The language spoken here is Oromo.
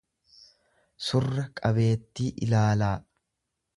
surra qabeettii ilaalaa.